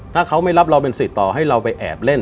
ถ้าเขาไม่รับเราเป็นสิทธิ์ต่อให้เราไปแอบเล่น